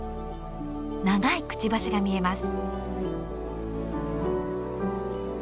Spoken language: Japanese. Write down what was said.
長いくちばしが見えます。